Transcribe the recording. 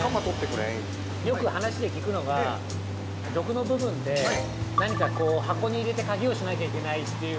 ◆よく話で聞くのが毒の部分って、何か箱に入れて鍵をしなきゃいけないという◆